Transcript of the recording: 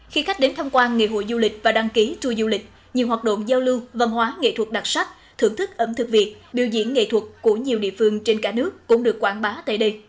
khi khách đến tham quan ngày hội du lịch và đăng ký tour du lịch nhiều hoạt động giao lưu văn hóa nghệ thuật đặc sắc thưởng thức ẩm thực việt biểu diễn nghệ thuật của nhiều địa phương trên cả nước cũng được quảng bá tại đây